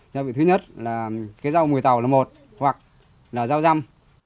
gia vị thứ nhất là cái rau mùi tàu là một hoặc là rau răm